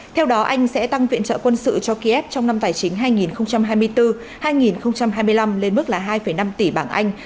theo đó anh sẽ tăng viện trợ quân sự cho kiev trong năm tài chính hai nghìn hai mươi bốn hai nghìn hai mươi năm lên mức là hai năm tỷ bảng anh